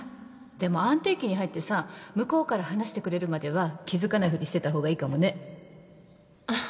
でも安定期に入ってさ向こうから話してくれるまでは気付かないふりしてた方がいいかもねあっ。